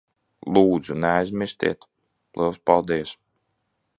Lūdzu, neaizmirstiet. Liels paldies.